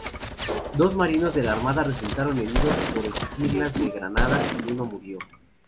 Dos marinos de la Armada resultaron heridos por esquirlas de granada y uno murió.